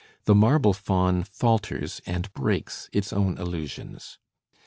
"The Marble Faun" falters and breaks its own illusions.